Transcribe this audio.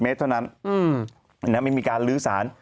เมตรเท่านั้นไม่มีการลื้อสาร